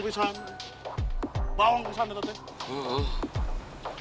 bawang pisang denger denger